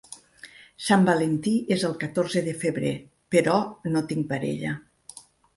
Sant Valentí és el catorze de febrer, però no tinc parella.